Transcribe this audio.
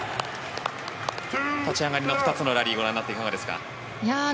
立ち上がりの２つのラリーご覧になっていかがですか？